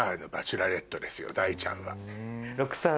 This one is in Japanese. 大ちゃんは。